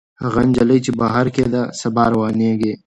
هغه نجلۍ چې په بهر کې ده، سبا راروانېږي.